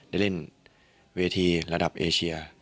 ได้เล่นเวทีระดับเอเชีย